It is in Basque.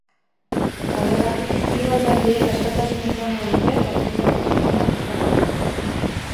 Horregatik, hiru alderdiek askatasuna izango dute bakoitzak nahi duena bozkatzeko.